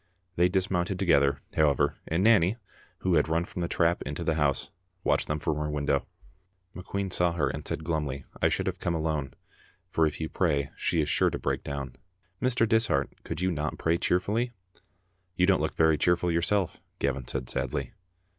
They dismounted together, however, and Nanny, who had run from the trap into the house, watched them from her window. McQueen saw her and said glumly, I should have come alone, for if you pray she is sure to break down. Mr. Dishart, could you not pray cheerfully?" "You don't look very cheerful yourself," Gavin said sadly.